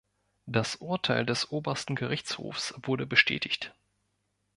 Das Urteil des Obersten Gerichtshofs wurde bestätigt.